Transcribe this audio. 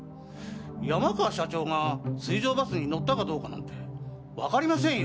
山川社長が水上バスに乗ったかどうかなんてわかりませんよ！